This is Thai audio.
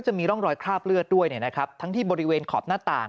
จะมีร่องรอยคราบเลือดด้วยทั้งที่บริเวณขอบหน้าต่าง